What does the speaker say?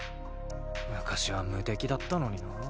昔は無敵だったのになあ。